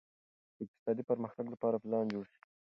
د اقتصادي پرمختګ لپاره پلان جوړ شي.